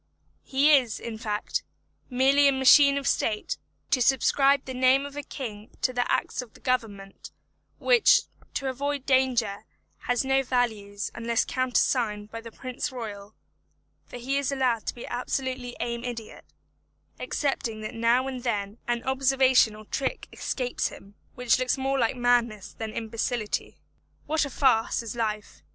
He is, in fact, merely a machine of state, to subscribe the name of a king to the acts of the Government, which, to avoid danger, have no value unless countersigned by the Prince Royal; for he is allowed to be absolutely an idiot, excepting that now and then an observation or trick escapes him, which looks more like madness than imbecility. What a farce is life.